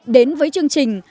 đến với chương trình